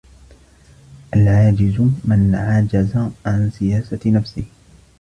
الْعَاجِزُ مَنْ عَجَزَ عَنْ سِيَاسَةِ نَفْسِهِ